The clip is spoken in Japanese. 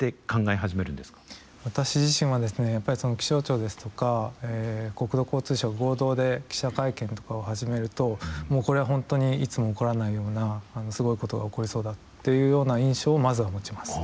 私自身はですね気象庁ですとか国土交通省合同で記者会見とかを始めるともうこれは本当にいつも起こらないようなすごいことが起こりそうだっていうような印象をまずは持ちます。